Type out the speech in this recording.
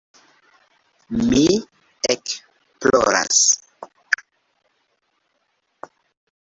Mi ekploras.